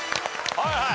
はいはい。